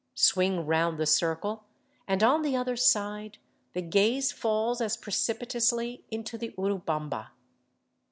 Swing round the circle, and on the other side the gaze falls as precipitously into the Urubamba.